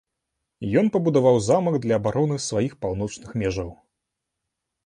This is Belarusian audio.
Ён пабудаваў замак для абароны сваіх паўночных межаў.